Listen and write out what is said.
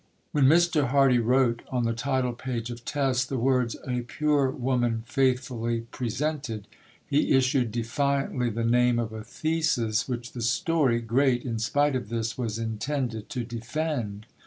When Mr. Hardy wrote on the title page of Tess the words, "A Pure Woman Faithfully Presented," he issued defiantly the name of a thesis which the story (great, in spite of this) was intended to defend.